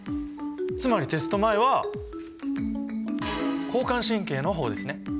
つまりテスト前は交感神経の方ですね。